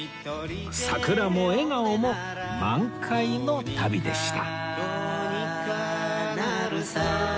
桜も笑顔も満開の旅でした